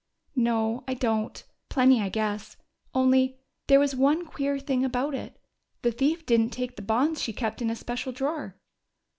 "No, I don't. Plenty, I guess. Only, there was one queer thing about it: the thief didn't take the bonds she kept in a special drawer."